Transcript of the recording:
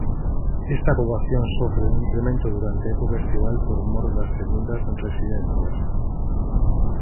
Esta poboación sofre un incremento durante a época estival por mor das segundas residencias.